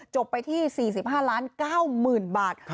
จบไปที่๔๕ล้าน๙๐๐๐๐บาท